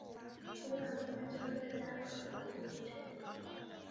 人人有平等机会参加本国公务的权利。